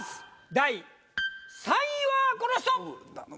第３位はこの人！